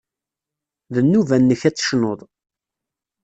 D nnuba-nnek ad tecnuḍ.